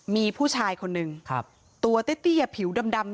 มีผู้ชายคนนึงตัวตั้ะตี้ผิวดำมีโนสคาว